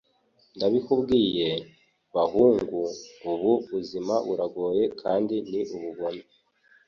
Ndabikubwiye, bahungu, ubu buzima buragoye kandi ni ubugome.